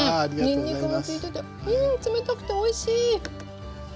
にんにくが効いてて冷たくておいしい！